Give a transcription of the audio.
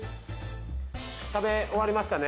食べ終わりましたね？